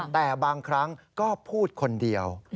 แต่บางครั้งก็พูดคนเดียว